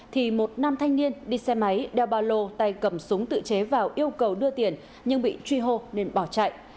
thì một nam thanh niên đi xe máy đeo bà lô tay cầm súng tự chế vào yêu cầu đưa tiền nhưng bị truy hô nên bỏ chạy